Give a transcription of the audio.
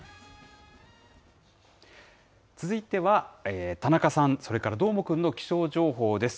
続いては、田中さん、それからどーもくんの気象情報です。